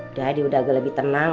udah deh udah agak lebih tenang